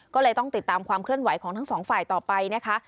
ก็เลยต้องติดตามความเคลื่อนไหวของทั้งสองฝ่ายต่อไปนะคะ